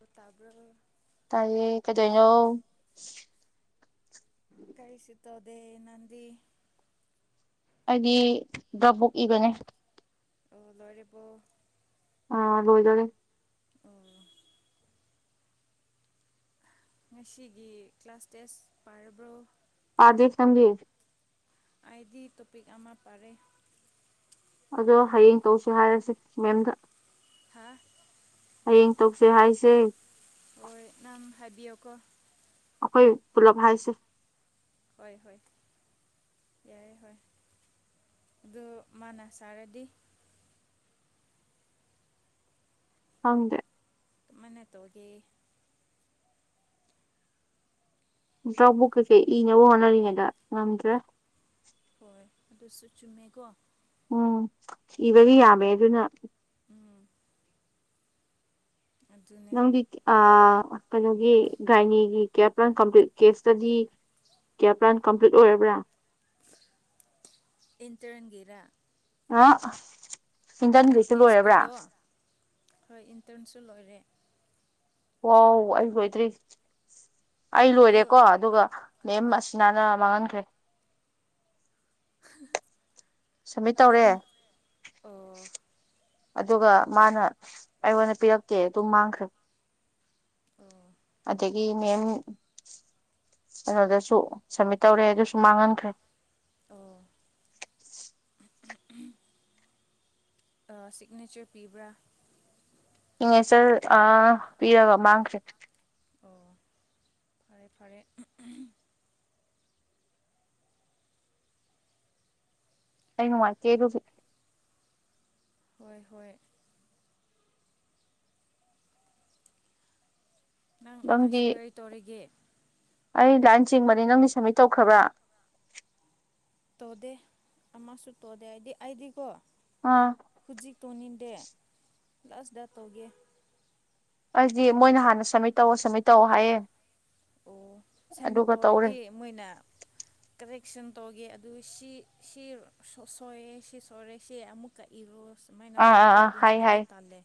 ꯑꯣ ꯇꯥꯕ꯭ꯔꯣ ꯇꯒꯤ ꯀꯗꯩꯅꯣ ꯀꯔꯤꯁꯤ ꯇꯗꯦ ꯅꯟ ꯑꯩꯗꯤ ꯒꯕꯨꯛ ꯏꯕꯅꯦ ꯑꯣ ꯂꯔꯤꯕꯔꯤꯕꯣ ꯑꯥ ꯂꯣꯏꯣꯏꯖꯦ ꯑꯣ ꯉꯁꯤꯒꯤ ꯀ꯭ꯂꯥꯁ ꯇꯦꯁ ꯄꯥꯔꯕ꯭ꯔꯣ ꯑꯥꯗꯤ ꯁꯝꯖꯦ ꯑꯩꯗꯤ ꯇꯣꯄꯤꯛ ꯑꯃ ꯄꯔꯦ ꯑꯗꯣ ꯍꯌꯦꯡ ꯇꯧꯁꯤ ꯍꯥꯏꯔꯁꯤ ꯃꯦꯝꯗ ꯍꯥꯥ ꯍꯌꯦꯡ ꯇꯣꯛꯁꯦ ꯍꯥꯏꯁꯦ ꯍꯣꯏ ꯅꯪ ꯍꯥꯏꯕꯤꯌꯣꯀꯣ ꯑꯩꯈꯣꯏ ꯄꯨꯂꯚ ꯍꯥꯏꯁ ꯍꯣꯏ ꯍꯣꯏ ꯌꯥꯏꯦ ꯍꯣꯏ ꯑꯗ ꯃꯥꯅ ꯁꯥꯔꯗꯤ ꯍꯪꯗꯦ ꯃꯅꯦ ꯇꯒꯦ ꯆꯥꯎꯕꯨꯛ ꯀꯩꯁꯦ ꯏꯅꯕ ꯍꯣꯠꯅꯔꯤꯉꯩꯗ ꯉꯝꯗ꯭ꯔꯦ ꯍꯣꯏ ꯑꯗꯨꯁꯨ ꯆꯨꯝꯃꯦꯀꯣ ꯎꯝ ꯏꯕꯗꯤ ꯌꯥꯝꯃꯦ ꯑꯗꯨꯅ ꯎꯝ ꯑꯗꯨꯅꯦ ꯅꯪꯗꯤ ꯑ ꯀꯩꯅꯣꯒꯤ ꯒꯥꯏꯅꯤꯒꯤ ꯀꯦꯌ ꯄ꯭ꯂ ꯀꯝꯄ꯭ꯂꯤ ꯀꯦꯁꯇꯗꯤ ꯀꯌꯥ ꯔꯥꯟ ꯀꯝꯄ꯭ꯂꯤꯠ ꯑꯣꯏꯔꯕ꯭ꯔꯥ ꯏꯟꯇ꯭ꯔꯟꯒꯦꯔꯥ ꯑ ꯆꯤꯟꯗꯟꯒꯤꯁꯨ ꯂꯣꯏꯔꯕ꯭ꯔꯥ ꯀꯦꯁꯕꯨꯛꯗꯣ ꯍꯣꯏ ꯏꯟꯇꯔꯟꯁꯨ ꯂꯣꯏꯔꯦ ꯍ ꯑꯩꯒꯣꯏꯗ꯭ꯔꯤ ꯑꯩ ꯑꯗꯨ ꯂꯣꯏꯔꯦꯀꯣ ꯑꯗꯨꯒ ꯃꯦꯝ ꯍꯣꯏ ꯑꯁꯤꯅꯥꯅ ꯃꯥꯡꯍꯟꯈ꯭ꯔꯦ ꯁꯝꯃꯤꯠ ꯑꯗꯨꯗ ꯏ ꯇꯧꯔꯦ ꯑꯣ ꯑꯗꯨꯒ ꯃꯥꯅ ꯑꯩꯉꯣꯟꯗ ꯄꯤꯔꯛꯀꯦ ꯑꯗꯨꯝ ꯃꯥꯡꯈ꯭ꯔꯦ ꯑꯣ ꯑꯗꯒꯤ ꯃꯦꯝꯦꯝ ꯑꯗꯨꯗꯁꯨ ꯁꯝꯃꯤꯠ ꯇꯧꯔꯦ ꯑꯗꯨ ꯑꯗꯨꯁꯨ ꯃꯥꯡꯍꯟꯈ꯭ꯔꯦ ꯑꯣ ꯁꯤꯛꯅꯦꯆꯔ ꯄꯤꯕ꯭ꯔꯥ ꯍꯉꯦꯆꯜ ꯄꯤꯔꯒ ꯃꯥꯡꯈ꯭ꯔꯦ ꯑꯣ ꯐꯔꯦ ꯐꯔꯦ ꯀꯩꯅ ꯃꯥꯔ ꯀꯦ ꯑꯗꯨ ꯍꯣꯏ ꯍꯣꯏ ꯅꯪ ꯅꯪꯗꯤ ꯉꯁꯤ ꯀꯔꯤ ꯇꯧꯔꯤꯒꯦ ꯑꯩ ꯂꯥꯏꯟ ꯆꯤꯡꯕꯅꯤ ꯅꯪꯗꯤ ꯁꯞꯃꯤꯠ ꯇꯧꯈ꯭ꯔꯕ꯭ꯔꯥ ꯇꯧꯗꯦ ꯑꯃꯁꯨ ꯇꯧꯗꯦ ꯍꯥꯏꯗꯤ ꯑꯩꯗꯤꯀꯣ ꯑꯥ ꯍꯧꯖꯤꯛ ꯇꯧꯅꯤꯡꯗꯦ ꯂꯁꯗꯇꯣꯦ ꯑꯩꯗꯤ ꯃꯣꯏꯅ ꯍꯥꯟꯅ ꯁꯞꯃꯤꯠ ꯇꯧꯑꯣ ꯁꯕꯃꯤꯠ ꯇꯧꯑꯣ ꯍꯥꯏꯌꯦ ꯑꯣ ꯑꯗꯨꯒ ꯇꯧꯔꯦ ꯁꯥꯃꯤꯠꯇꯧꯔꯗꯤ ꯃꯣꯏꯅ ꯀ ꯑꯦꯛꯁꯟ ꯇꯧꯒꯦ ꯑꯗꯨ ꯁꯤ ꯁꯤ ꯁꯣꯏꯑꯦ ꯁꯤ ꯁꯣꯏꯔꯦ ꯁꯤ ꯑꯃꯨꯛ ꯀꯛ ꯏꯔꯣ ꯁꯨꯃꯥꯏꯅ ꯑꯥ ꯑꯥ ꯇꯧꯋꯦꯀꯣ ꯑꯥ ꯑꯗꯨꯅ ꯍꯥꯏ ꯑꯩꯗꯤ ꯍꯥꯏ ꯇꯥꯜꯂꯦ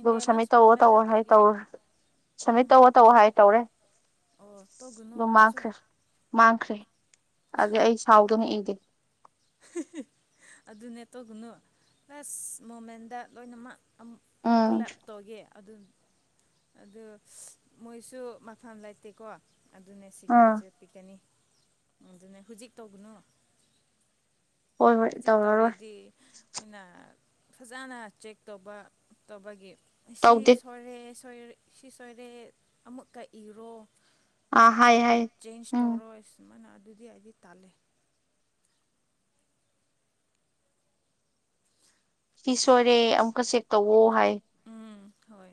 ꯑꯗꯨꯝ ꯁꯕꯃꯤꯠ ꯇꯧꯔ ꯃꯣꯃꯦꯟꯗ ꯇꯧꯔ ꯍꯥꯏ ꯇꯧꯒꯦ ꯇꯧꯔꯦ ꯁꯃꯤꯠ ꯇꯧꯔ ꯇꯧꯑꯣ ꯍꯥꯏ ꯇꯧꯔꯦ ꯑꯣ ꯇꯧꯒꯅꯨ ꯑꯗꯨ ꯅꯪꯁꯨ ꯃꯥꯡꯈ꯭ꯔꯦ ꯃꯥꯡꯈ꯭ꯔꯦ ꯑꯗꯨꯦ ꯑꯩ ꯁꯥꯎꯗꯅ ꯏꯦ ꯑꯗꯨꯅꯦ ꯇꯧꯒꯅꯨ ꯂꯁ ꯃꯣꯃꯦꯟꯗ ꯂꯣꯏꯅꯃꯛ ꯎꯝ ꯄꯨꯂꯞ ꯇꯒꯦ ꯑꯗꯨ ꯑꯗꯨ ꯃꯣꯏꯁꯨ ꯃꯊꯐꯝ ꯂꯩꯇꯦꯀꯣ ꯑꯗꯨꯅꯦ ꯑꯥ ꯁꯤꯒꯅꯦꯆꯔ ꯄꯤꯒꯅꯤ ꯑꯗꯨꯅꯦ ꯍꯧꯖꯤꯛ ꯇꯧꯕꯅꯣ ꯍꯣꯏ ꯍꯣꯏ ꯍꯧꯖꯤꯛ ꯇꯧꯔꯔꯣꯏ ꯇꯧꯔꯦꯗꯤꯅ ꯐꯖꯅ ꯆꯦꯛ ꯇꯧꯕ ꯇꯧꯕꯒꯤ ꯁꯤ ꯇꯧꯗꯦ ꯁꯣꯔꯦ ꯣꯏ ꯁꯤ ꯁꯣꯏꯔꯦ ꯑꯃꯨꯛꯀ ꯏꯔꯣ ꯑꯥ ꯀꯣ ꯍꯥꯏ ꯍꯥꯏ ꯆꯦꯟꯖ ꯎꯝ ꯇꯧꯔꯣꯏ ꯁꯨꯃꯥꯏꯅ ꯑꯗꯨꯗꯤ ꯑꯩꯗꯤ ꯇꯥꯜꯂꯦ ꯁꯤ ꯁꯣꯏꯔꯦ ꯑꯃꯨꯛꯀ ꯆꯦꯛ ꯇꯧꯋ ꯍꯥꯏ ꯎꯝ ꯍꯣꯏ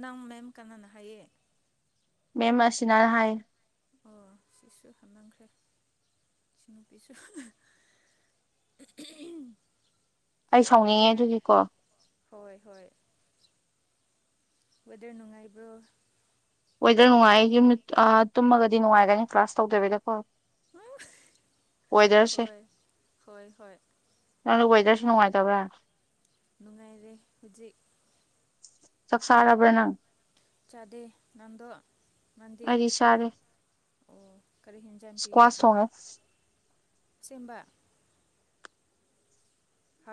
ꯅꯪ ꯃꯦꯝ ꯀꯥꯟꯅꯥꯅ ꯍꯥꯏꯌꯦ ꯃꯦꯝ ꯑꯁꯤꯅꯅ ꯍꯥꯏ ꯑꯣ ꯁꯤꯁꯨ ꯍꯥꯞꯅꯈ꯭ꯔꯦ ꯄꯤꯤꯁ ꯑꯩ ꯁꯥꯎꯅꯤꯡꯉꯦ ꯋꯦꯗꯔ ꯑꯗꯨꯒꯤꯀꯣ ꯍꯣꯏ ꯍꯣꯏ ꯋꯦꯗꯔ ꯅꯨꯡꯉꯥꯏꯕ꯭ꯔꯣ ꯋꯦꯗꯔ ꯅꯨꯡꯉꯥꯏ ꯌꯨꯝ ꯇꯨꯝꯃꯒꯗꯤ ꯅꯨꯡꯉꯥꯏꯒꯅꯤ ꯀ꯭ꯂꯥꯁ ꯇꯧꯗꯕꯤꯗꯀꯣ ꯋꯦꯗꯔꯁ ꯍꯣꯏ ꯍꯣꯏ ꯍꯣꯏ ꯅꯋꯗꯔ ꯅꯨꯡꯉꯥꯏ ꯇꯕ ꯅꯨꯡꯉꯥꯏꯔꯦ ꯍꯧꯖꯤꯛ ꯆꯛ ꯁꯔꯕꯅ ꯆꯥꯗ ꯉꯟꯗ ꯃꯥꯟꯗꯤ ꯑꯩꯗꯤ ꯆꯥꯔꯦ ꯑꯣ ꯀꯔꯤ ꯍꯦꯟꯖꯟ ꯄꯤꯌꯦ ꯏꯁꯀ꯭ꯋꯥꯁ ꯊꯣꯡꯉꯦ ꯆꯕ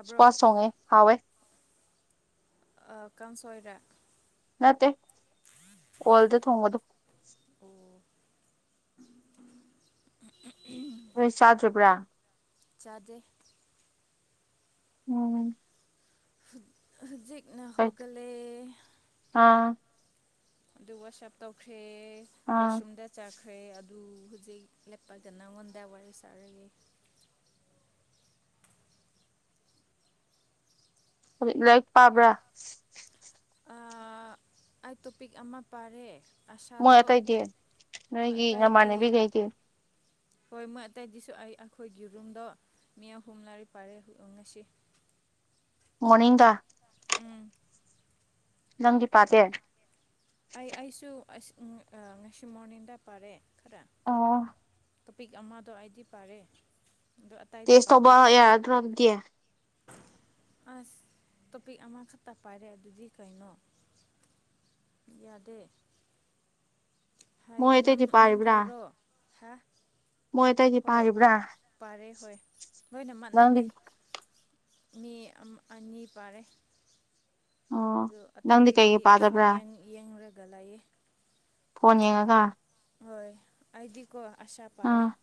ꯁꯄꯥꯁ ꯁꯣꯡꯉꯦ ꯍꯋꯦ ꯀꯥꯡꯁꯣꯏꯔ ꯅꯠꯇ ꯑꯣꯜꯗ ꯊꯣꯡꯕꯗ ꯑꯣ ꯅꯣꯏ ꯆꯥꯗ꯭ꯔꯤꯕ꯭ꯔꯥ ꯆꯥꯗꯦ ꯎꯝ ꯍꯧꯖꯤꯛꯅ ꯍꯣꯏ ꯍꯧꯒꯂꯦ ꯑꯥ ꯑꯗꯨ ꯋꯥꯁ ꯑꯞ ꯇꯧꯈ꯭ꯔꯦ ꯑꯥ ꯋꯥꯁꯔꯨꯝꯗ ꯆ ꯈ꯭ꯔꯦ ꯑꯗꯨ ꯍꯧꯖꯤꯛ ꯂꯦ ꯂꯩꯄꯥꯛꯗ ꯅꯉꯣꯟꯗ ꯋꯥꯔꯤ ꯁꯥꯔꯒꯦ ꯍꯧꯖꯤ ꯂꯥꯏꯔꯤꯛ ꯄꯥꯕ꯭ꯔꯥ ꯑꯩ ꯇꯣꯄꯤꯛ ꯑꯃ ꯄꯥꯔꯦ ꯃꯣꯏ ꯑꯁꯥꯗꯣ ꯑꯇꯩꯗꯤ ꯃꯣꯏ ꯅꯣꯏꯒꯤ ꯑꯇꯩꯗꯤ ꯅꯃꯥꯟꯅꯕꯤꯈꯩꯗꯤ ꯍꯣꯏ ꯃꯣꯏ ꯑꯇꯩꯗꯤꯁꯨ ꯑꯩ ꯑꯩꯈꯣꯏꯒꯤ ꯔꯨꯝꯗꯣ ꯃꯤ ꯑꯍꯨꯝ ꯂꯥꯏꯔꯤꯛ ꯄꯥꯔꯦ ꯉꯁꯤ [inaudible] ꯃꯅꯤꯡꯒ ꯎꯝ ꯅꯪꯒꯤ ꯄꯇꯦ ꯑꯩ ꯑꯩꯁꯨ ꯉꯁꯤ ꯃꯣꯔꯅꯤꯡꯗ ꯄꯥꯔꯦ ꯈꯔ ꯑꯥ ꯇꯣꯄꯤꯛ ꯑꯃꯗꯣ ꯑꯩꯗꯤ ꯄꯥꯔꯦ ꯑꯗꯣ ꯑꯇꯩꯗꯤ ꯇꯁ ꯄꯥꯗꯦ ꯇꯧꯕ ꯌꯥꯔ ꯑꯗꯨ꯭ꯔꯗꯤ ꯑꯁ ꯇꯣꯄꯤꯛ ꯑꯃꯈꯛꯇ ꯄꯥꯏꯔꯦ ꯑꯗꯨꯗꯤ ꯀꯩꯅꯣ ꯌꯥꯗꯦ ꯃꯣꯏ ꯅꯪ ꯑꯇꯩꯗꯤ ꯅꯪ ꯄꯥꯔꯤꯕ꯭ꯔꯥ ꯍꯥꯏꯔꯣ ꯍꯥ ꯃꯣꯏ ꯑꯇꯩꯗꯤ ꯍꯣꯏ ꯄꯥꯔꯤꯕ꯭ꯔꯥ ꯄꯔꯦ ꯍꯣꯏ ꯂꯣꯏꯅꯃꯛꯠ ꯅꯪꯗꯤ ꯅꯠꯇꯦ ꯃꯤ ꯑꯅꯤ ꯄꯥꯔꯦ ꯑꯣ ꯑ ꯅꯪꯗꯤ ꯀꯩꯒꯤ ꯑꯇꯩꯗꯗꯤ ꯐꯣꯟ ꯄꯥꯗꯕ꯭ꯔꯥ ꯌꯦꯡꯂꯡꯉꯨꯔꯒ ꯂꯥꯛꯑꯦ ꯐꯣꯟ ꯌꯦꯡꯉꯒ ꯍꯣꯏ ꯑꯩꯗꯤꯀꯣ ꯑꯁꯥ ꯄꯥꯔꯦ ꯑꯥ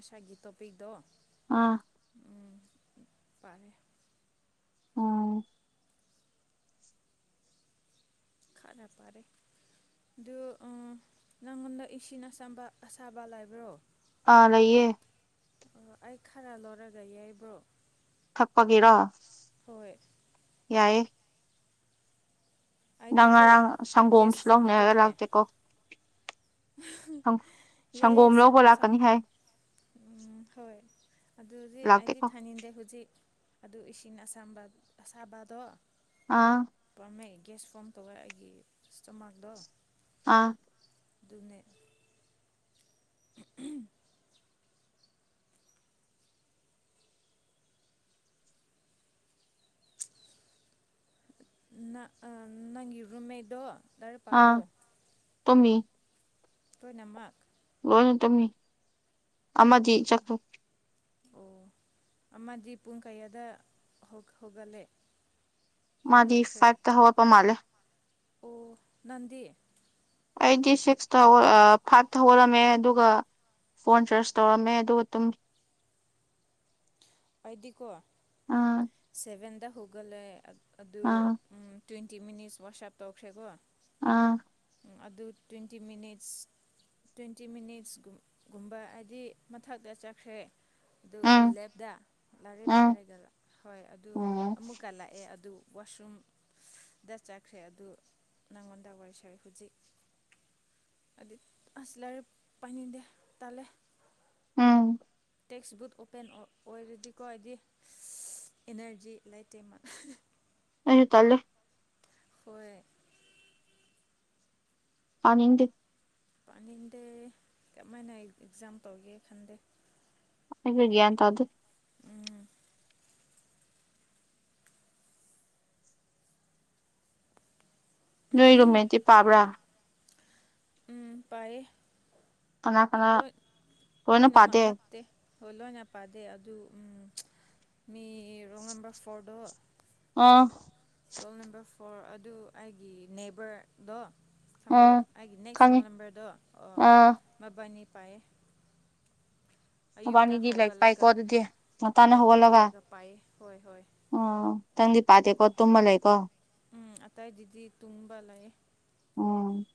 ꯑꯁꯥꯒꯤ ꯇꯣꯄꯤꯛꯇꯣ ꯑꯥ ꯎꯝ ꯄꯔꯦ ꯎꯝ ꯈꯥꯅ ꯄꯔꯦ ꯑꯗꯨ ꯅꯪꯉꯣꯟꯗ ꯏꯁꯤꯡ ꯑꯁꯥꯕ ꯂꯥꯏꯕ꯭ꯔꯣ ꯑꯥ ꯂꯩꯌꯦ ꯑꯣ ꯑꯩ ꯈꯔ ꯂꯧꯣꯏꯔꯒ ꯌꯩꯕ꯭ꯔꯣ ꯊꯛꯄꯒꯤꯔꯣ ꯍꯣꯏ ꯌꯥꯏꯦ ꯉ ꯑꯩꯗꯤꯀꯣ ꯉꯔꯥꯡ ꯁꯪꯒꯣꯝꯁꯨ ꯒ꯭ꯌꯥꯁ ꯂꯧꯅꯤ ꯍꯥꯏꯔꯒ ꯂꯥꯛꯇꯦꯀꯣ ꯌꯥꯏꯑꯌꯦ ꯁꯪꯒꯣꯝ ꯂꯧꯕ ꯂꯥꯛꯀꯅꯤ ꯁꯪꯒꯝ ꯍꯥꯏ ꯎ ꯍꯣꯏ ꯑꯗꯨꯗꯤ ꯑꯩꯗꯤ ꯂꯥꯛꯇꯦꯀꯣ ꯊꯥꯅꯤꯡꯗꯦ ꯍꯧꯖꯤꯛ ꯑꯗꯨ ꯏꯁꯤꯡ ꯑꯁꯝꯕ ꯑꯁꯥꯕꯗꯣ ꯑꯥ ꯄꯝꯃꯦ ꯒ꯭ꯌꯥꯁ ꯐꯣꯝ ꯇꯧꯋꯦ ꯑꯩꯒꯤ ꯀꯁꯇꯃꯥꯔꯗꯣ ꯑꯥ ꯑꯗꯨꯅꯦ ꯎ ꯅꯪꯒꯤ ꯔꯨꯝꯃꯦꯗꯣ ꯗꯥꯏꯔ ꯄꯥꯕꯧ ꯇꯃꯤ ꯄꯣꯏꯅꯃꯛ ꯀꯣꯏꯅ ꯇꯝꯃꯤ ꯑꯃꯗꯤ ꯆꯈ꯭ꯔ ꯑꯣ ꯑꯃꯗꯤ ꯄꯨꯡ ꯀꯌꯥꯗ ꯍꯧꯒꯠꯂꯦ ꯃꯥꯗꯤ ꯍꯧꯒꯠꯈ꯭ꯔꯦ ꯐꯥꯏꯚꯇ ꯍꯋꯥ ꯄ ꯃꯥꯥꯂꯦ ꯑꯣ ꯅꯟꯗꯤ ꯇ꯭ꯋꯦꯟꯇꯤ ꯁꯤꯛꯁꯇ ꯐꯥꯏꯚꯇ ꯍꯧꯔꯝꯃꯦ ꯑꯗꯨꯒ ꯐꯣꯟ ꯆꯆꯥꯥꯔꯖ ꯇꯧꯔꯝꯃꯦ ꯑꯗꯨ ꯑꯗꯨꯝ ꯑꯩꯗꯤꯀꯣ ꯑꯥ ꯁꯚꯦꯟꯗ ꯍꯧꯒꯠꯂꯦ ꯑꯗꯨ ꯑꯥ ꯇ꯭ꯋꯦꯟꯇꯤ ꯃꯤꯅꯤꯠꯁ ꯋꯥꯁꯑꯞ ꯇꯧꯈ꯭ꯔꯦꯀꯣ ꯑꯥ ꯑꯗꯨ ꯇ꯭ꯋꯦꯟꯇꯤ ꯃꯤꯅꯤꯠꯁ ꯇ꯭ꯋꯦꯟꯇꯤ ꯃꯤꯅꯤꯠꯁꯒꯨꯝꯕ ꯍꯥꯏꯕꯗꯤ ꯃꯊꯛꯇ ꯆꯠꯈ꯭ꯔꯦ ꯑꯗꯨ ꯎꯝ ꯂꯦꯞꯇ ꯂꯥꯏꯔꯦ ꯎꯝ ꯄꯥꯏꯔꯒ ꯍꯣꯏ ꯑꯗꯨ ꯎꯝ ꯑꯃꯨꯛꯀ ꯂꯥꯛꯑꯦ ꯑꯗꯨ ꯋꯥꯁꯔꯨꯝꯗ ꯆꯠꯈ꯭ꯔꯦ ꯑꯗꯨ ꯅꯪꯉꯣꯟꯗ ꯋꯥꯔꯤ ꯁꯋ ꯍꯧꯖꯤꯛ ꯑꯗꯨ ꯑꯁꯂꯥꯔꯦ ꯄꯅꯤꯗꯦ ꯇꯂꯦ ꯎꯝ ꯇꯦꯛꯁ ꯕꯨꯠ ꯑꯣꯄꯦꯟ ꯑꯣꯏꯔꯗꯤꯀꯣ ꯍꯥꯏꯗꯤ ꯑꯦꯅꯔꯖꯤ ꯂꯩ ꯇꯦꯝꯃ ꯑꯁꯨ ꯇꯂꯦ ꯍꯣꯏ ꯑꯅꯤꯡꯗꯤ ꯄꯥꯅꯤꯡꯗꯦ ꯀꯃꯥꯏꯅ ꯑꯦꯛꯖꯥꯝ ꯇꯧꯒꯦ ꯈꯟꯗꯦ ꯍꯥꯏꯒꯦ ꯇ ꯑꯗꯨ ꯎꯝ ꯅꯣꯏꯔꯨꯝꯃꯦꯗꯤ ꯄꯥꯕ꯭ꯔꯥ ꯎꯝ ꯄꯔꯦ ꯀꯅꯥ ꯀꯅꯥ ꯀꯣꯏꯅ ꯂꯣꯏꯅꯃꯛ ꯄꯥꯗꯦ ꯅꯠꯇꯦ ꯍꯣꯏ ꯂꯣꯏ ꯌꯥꯝ ꯄꯥꯗꯦ ꯑꯗꯨ ꯎꯝ ꯃꯤ ꯔꯣꯜ ꯅꯝꯕꯔ ꯐꯣꯔꯗꯣ ꯑꯥ ꯔꯣꯜ ꯅꯝꯕꯔ ꯐꯣꯔ ꯑꯗꯨ ꯑꯩꯒꯤ ꯅꯦꯕꯔꯗꯣ ꯈꯝꯕ꯭ꯔꯣ ꯑꯥ ꯑꯩꯒꯤ ꯅꯦꯛꯁ ꯈꯪꯉꯤ ꯔꯣꯜ ꯅꯝꯕꯔꯗꯣ ꯑꯣ ꯑꯥ ꯃꯕꯥꯅꯤ ꯄꯥꯏꯌꯦ ꯑꯌꯨꯛꯇ ꯕꯥꯅꯤꯗꯤ ꯂꯥꯏ ꯄꯥꯏ ꯍꯧꯒꯠꯂꯒ ꯀꯣꯗꯗꯤ ꯍꯣꯏ ꯍꯧꯒꯠꯂꯒ ꯄꯥꯏꯌꯦ ꯍꯣꯏ ꯍꯣꯏ ꯇꯪꯗꯤ ꯄꯥꯇꯦꯀꯣ ꯇꯨꯝꯕ ꯂꯩꯀꯣ ꯎꯝ ꯑꯇꯥꯏ ꯗꯤꯗꯤ ꯇꯨꯝꯕ ꯂꯩꯌꯦ ꯎꯝ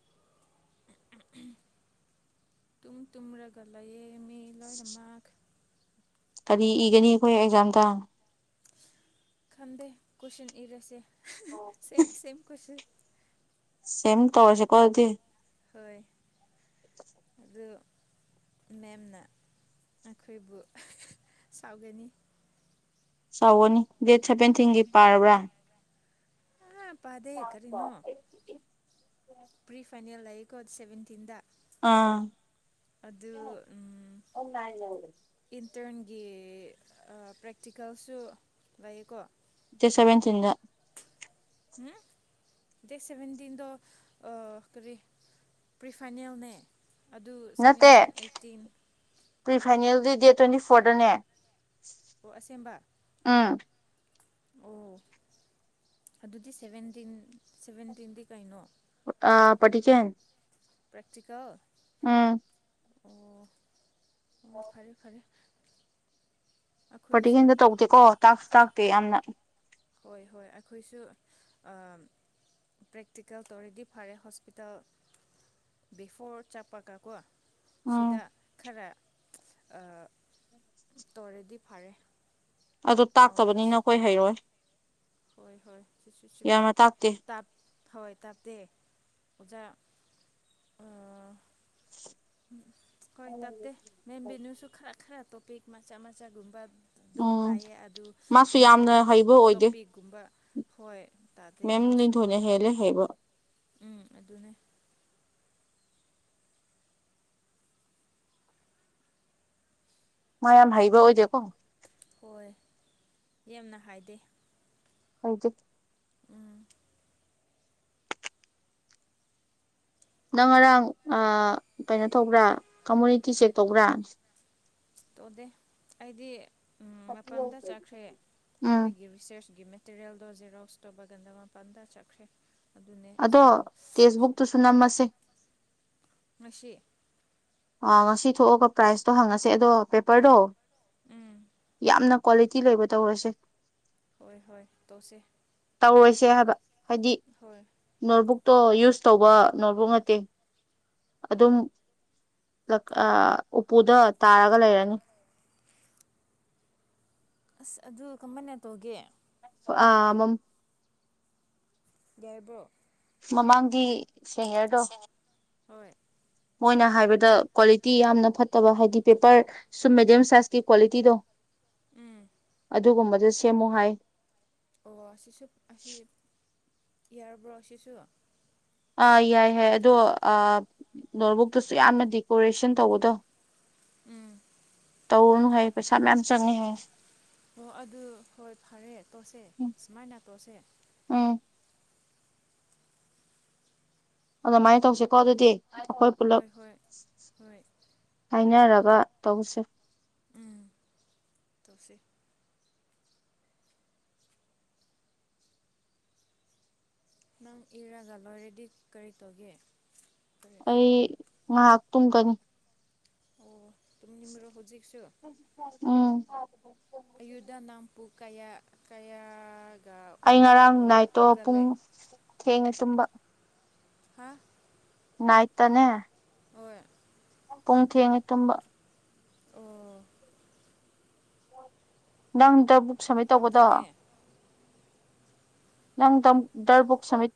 ꯇꯨ ꯇꯨꯔꯒꯂꯌꯦ [inaudible] ꯀꯔꯤ ꯏꯒꯅꯤ ꯑꯩꯈꯣꯏ ꯑꯦꯛꯖꯥꯝꯗ ꯈꯟꯗꯦ ꯀꯁꯟ ꯏꯔꯁꯦ ꯁꯦꯝꯃ ꯁꯦꯝꯃ ꯀꯣꯏꯁꯟ ꯁꯤꯃꯤ ꯇꯧꯁꯦ ꯀꯗꯤ ꯍꯣꯏ [inaudible] ꯑꯗꯨ ꯃꯦꯝꯅ ꯑꯩꯈꯣꯏꯕꯨ ꯁꯥꯎꯒꯅꯤ ꯆꯥꯎꯅꯤ ꯗꯦꯠ ꯎꯝ ꯁꯦꯚꯦꯟꯇꯤꯟꯒꯤ ꯄꯥꯔꯕ꯭ꯔꯥ ꯑꯥ ꯄꯥꯗꯦ ꯀꯔꯤꯅꯣ ꯄ꯭ꯔꯤ ꯐꯥꯏꯅꯦꯜ ꯂꯩꯌꯦꯀꯣ ꯁꯚꯦꯟꯇꯤꯟꯗ ꯑꯥ ꯑꯗꯨ ꯏꯁꯇꯔꯟꯒꯤ ꯄ꯭ꯔꯦꯛꯇꯤꯀꯦꯜꯁꯨ ꯂꯩꯌꯦꯀꯣ ꯗꯦꯠ ꯁꯕꯦꯟꯇꯤꯟꯗ ꯑꯝ ꯗꯦꯠ ꯁꯚꯦꯟꯇꯤꯟꯗ ꯀꯔꯤ ꯄ꯭ꯔꯤꯐꯥꯏꯅꯦꯜꯅꯦ ꯑꯗꯨ ꯅꯠꯇꯦ ꯁꯚꯦꯟꯇꯤꯟ ꯑꯩꯠꯇꯤꯟ ꯄ꯭ꯔꯤ ꯐꯥꯏꯅꯦꯜꯗꯤ ꯗꯦꯠ ꯇ꯭ꯋꯦꯟꯇꯤ ꯐꯣꯔꯗꯅꯦ ꯑꯣ ꯑꯁꯦꯡꯕ ꯎꯝ ꯑꯣ ꯑꯗꯨꯗꯤ ꯁꯚꯦꯟꯇꯤꯟ ꯁꯚꯦꯟꯇꯤꯟꯗꯤ ꯀꯩꯅꯣ ꯑ ꯄꯔꯀꯦꯦ ꯄ꯭ꯔꯦꯇꯤꯀꯦꯜ ꯎꯝ ꯑꯣ ꯑꯣ ꯐꯔꯦ ꯐꯔꯦ ꯑꯩꯈꯣꯏꯁꯨ ꯄꯔꯇꯤꯀꯦꯟꯗ ꯇꯧꯗꯦꯀꯣꯥꯛꯁꯨ ꯇꯥꯛꯇꯦ ꯌꯥꯝꯅ ꯍꯣꯏ ꯍꯣꯏ ꯑꯩꯈꯣꯏꯁꯨ ꯄ꯭ꯔꯦꯛꯇꯤꯀꯦꯜ ꯇꯧꯔꯦꯗꯤ ꯐꯔꯦ ꯍꯣꯁꯄꯤꯇꯥꯜ ꯕꯤꯐꯣꯔ ꯆꯞꯄꯒ ꯀꯣ ꯎꯝ ꯁꯤꯗ ꯈꯔ ꯇꯧꯔꯦꯗꯤ ꯐꯔꯦ ꯑꯗꯨ ꯇꯥꯛꯇꯕꯅꯤꯅ ꯅꯣꯂꯦꯖ ꯑꯩꯈꯣꯏ ꯍꯩꯔꯣꯏ ꯍꯣꯏ ꯍꯣꯏ ꯁꯤ ꯆꯨꯝꯃꯦ ꯌꯥꯝꯅ ꯇꯥꯛꯇꯦ ꯇꯞ ꯊꯋꯥꯣꯏ ꯇꯥꯇꯦ ꯑꯣꯖꯥ ꯀꯣꯏ ꯇꯦ ꯃꯕꯤꯅꯁꯨ ꯈꯔ ꯈꯔ ꯇꯣꯄꯤꯛ ꯃꯆꯥ ꯃꯆꯥꯒꯨꯝꯕꯗꯣ ꯎꯝ ꯇꯥꯏꯌꯦ ꯑꯗꯨ ꯃꯥꯁꯨ ꯌꯥꯝꯅ ꯏꯝꯄꯣꯔꯇꯦꯟ ꯍꯩꯕ ꯑꯣꯏꯗꯦ ꯝꯕ ꯍꯣꯏ ꯇꯥꯗꯦ ꯃꯦꯝ ꯅ ꯃꯥꯁꯨ ꯊꯣꯏꯅ ꯍꯦꯜꯂꯦ ꯍꯥꯏꯌꯦꯕ ꯎꯝ ꯑꯗꯨꯅꯦ ꯃꯥꯌꯥꯝ ꯍꯩꯕ ꯑꯣꯏꯖꯦꯀꯣ ꯍꯣꯏ ꯌꯥꯝꯅ ꯍꯥꯏꯗꯦ ꯑꯩꯗꯤ ꯎꯝ ꯅꯪ ꯉꯔꯥꯡ ꯀꯩꯅꯣ ꯇꯧꯕ꯭ꯔꯥ ꯀꯃꯨꯅꯤꯇꯤ ꯆꯦꯛ ꯇꯧꯕ꯭ꯔꯥ ꯇꯧꯗꯦ ꯑꯩꯗꯤ ꯃꯄꯗ ꯆꯠꯈ꯭ꯔꯦ ꯎꯝ ꯑꯩꯈꯣꯏꯒꯤ ꯔꯤꯁꯔꯁꯀꯤꯦ ꯇꯤꯔꯦꯜꯗꯣ ꯖꯦꯔꯣꯛꯁꯇꯣ ꯕꯒꯟꯗ ꯃꯥꯄꯜꯗ ꯆꯠꯈ꯭ꯔꯦ ꯑꯗꯨꯅꯦ ꯑꯗꯣ ꯇꯦꯛꯁꯕꯨꯛꯇꯨꯁꯨ ꯅꯝꯃꯁꯦ ꯃꯁꯤꯁꯤ ꯑꯥ ꯉꯁꯤ ꯊꯣꯛꯑꯒ ꯄ꯭ꯔꯥꯏꯖꯇꯣ ꯍꯪꯉꯁꯦ ꯑꯗꯣ ꯄꯦꯄꯔꯗꯣ ꯎꯝ ꯌꯥꯝꯅ ꯀ꯭ꯋꯥꯂꯤꯇꯤ ꯂꯩꯕ ꯇꯧꯔꯁꯦ ꯍꯣꯏ ꯍꯣꯏ ꯇꯧꯁꯦ ꯇꯧꯔꯣꯏꯁꯦ ꯍꯥꯏꯕ ꯍꯥꯏꯗꯤ ꯍꯣꯏ ꯅꯣꯠꯕꯨꯛꯇꯣ ꯌꯨꯁ ꯇꯧꯕ ꯅꯣꯠꯕꯨꯛ ꯅꯠꯇꯦ ꯑꯗꯨꯝ ꯎꯄꯨꯗ ꯇꯥꯔꯒ ꯂꯩꯔꯅꯤ ꯑꯁ ꯑꯗꯨ ꯀꯃꯅ ꯇꯧꯒꯦ ꯑꯃ ꯌꯥꯏꯕ꯭ꯔꯣ ꯃꯃꯥꯡꯒꯤ ꯁꯦꯅꯤꯌꯔꯗꯣ ꯍꯣꯏ ꯃꯣꯏꯅ ꯍꯥꯏꯕꯗ ꯀ꯭ꯋꯥꯂꯤꯇꯤ ꯌꯥꯝꯅ ꯐꯠꯇꯕ ꯍꯥꯏꯗꯤ ꯄꯦꯄꯔ ꯁꯨꯝ ꯃꯦꯗꯤꯌꯝ ꯁꯥꯏꯖꯀꯤ ꯀ꯭ꯋꯥꯂꯤꯇꯤꯗꯣ ꯎꯝ ꯑꯗꯨꯒꯨꯝꯕꯗ ꯁꯦꯝꯃꯨ ꯍꯥꯏ ꯑꯣ ꯑꯁꯤꯁꯨ ꯑꯁꯤ ꯌꯥꯔꯕ꯭ꯔꯣ ꯁꯤꯁꯨ ꯑꯥ ꯌꯥꯏ ꯌꯥꯏ ꯑꯗꯣ ꯅꯣꯠꯕꯨꯛꯇꯁꯨ ꯌꯥꯝꯅ ꯗꯦꯀꯣꯔꯦꯁꯟ ꯇꯧꯕꯗꯣ ꯎꯝ ꯇꯧꯅꯨ ꯍꯥꯏ ꯄꯩꯁꯥ ꯃꯌꯥꯝ ꯆꯪꯉꯦ ꯍꯥꯏ ꯑꯣ ꯑꯗꯨ ꯍꯣꯏ ꯐꯔꯦ ꯇꯣꯠꯁꯦ ꯁꯨꯃꯥꯏꯅ ꯇꯣꯠꯁꯦ ꯎꯝ ꯑꯗꯨꯃꯥꯏꯅ ꯇꯧꯁꯤꯀꯣ ꯑꯗꯨꯗꯤ ꯑꯩꯈꯣꯏ ꯄꯨꯂꯞ ꯍꯣꯏ ꯍꯣꯏ ꯍꯣꯏ ꯍꯥꯏꯅꯔꯒ ꯋꯥ ꯇꯧꯁꯦ ꯎꯝ ꯇꯁ ꯅꯪ ꯏꯔꯒꯂꯣ ꯔꯦꯗꯤ ꯀꯔꯤ ꯇꯧꯒꯦ ꯀꯔꯤ ꯑꯩ ꯃꯍꯥꯛ ꯇ ꯀꯅꯤ ꯑꯣ ꯇꯨꯝꯅꯤꯡꯕ꯭ꯔꯣ ꯍꯧꯖꯤꯛꯁꯨ ꯎꯝ ꯑꯌꯨꯗꯥ ꯅꯥꯝꯄꯨ ꯀꯌꯥ ꯀꯌꯥ ꯑꯩ ꯉꯔꯥꯡ ꯅꯥꯏꯠꯇꯣ ꯄꯨꯡ ꯊꯦꯡꯉꯦ ꯇꯨꯝꯕ ꯍꯥ ꯅꯥꯥꯏꯇꯅꯦꯦ ꯍꯣꯏ ꯄꯨꯡ ꯊꯦꯡꯉꯦ ꯇꯨꯝꯕ ꯑꯣ ꯅꯪꯇ ꯕꯨꯛ ꯁꯕꯃꯤꯠ ꯇꯧꯕꯗꯣ ꯑꯗꯨꯅꯦ ꯅꯪ ꯇꯝ ꯗꯔꯕꯨꯣꯛꯛ ꯁꯠ